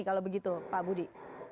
kalau begitu pak budi